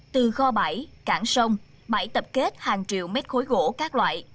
từ kho bãi cảng sông bãi tập kết hàng triệu mét khối gỗ các loại